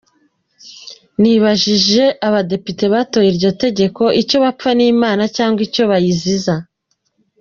Nibajije Abadepite batoye iryo tegeko icyo bapfa n’Imana cyangwa icyo bayiziza.